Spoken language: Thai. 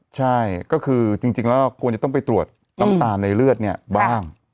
ใช่ก็คือจริงแล้วควรจะต้องไปตรวจน้ำตาลในเลือดเนี่ยบ้าง